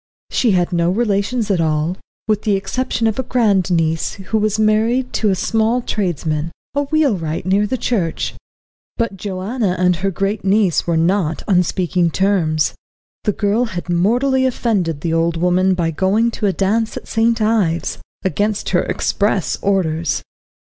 She had no relations at all, with the exception of a grand niece, who was married to a small tradesman, a wheelwright near the church. But Joanna and her great niece were not on speaking terms. The girl had mortally offended the old woman by going to a dance at St. Ives, against her express orders.